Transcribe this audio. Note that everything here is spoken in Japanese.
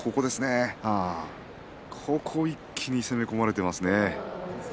ここを一気に攻め込まれていますよね。